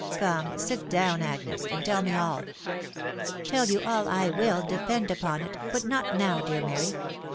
Come, sit down again, Agnes, and tell me alL" (C Tell you all I will, depend upon it* bnt not now, dear Mary